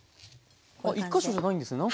あっ１か所じゃないんですね。